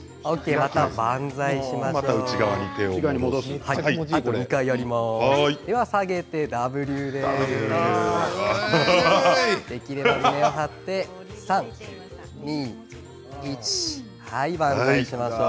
また万歳しましょう。